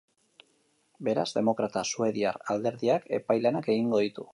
Beraz, demokrata suediar alderdiak epai lanak egingo ditu.